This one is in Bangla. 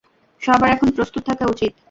সবার এখন প্রস্তুত থাকা উচিৎ।